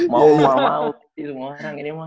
mau mau mau sih semua orang ini mah